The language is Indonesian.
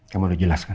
kamu harus jelaskan